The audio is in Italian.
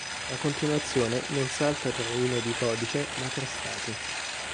La continuazione non salta tra linee di codice ma tra stati.